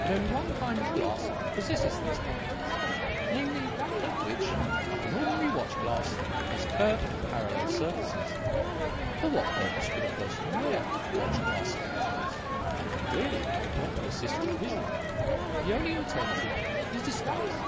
But only one kind of glass possesses these properties; namely, that which, like an ordinary watch glass, has curved, parallel surfaces. But for what purpose could a person wear 'watch glass' spectacles? Clearly, not to assist his vision. The only alternative is disguise.